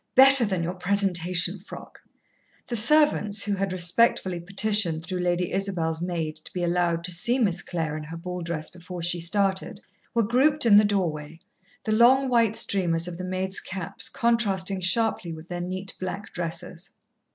"Better than your presentation frock." The servants, who had respectfully petitioned through Lady Isabel's maid to be allowed to see Miss Clare in her ball dress before she started, were grouped in the doorway, the long white streamers of the maids' caps contrasting sharply with their neat black dresses.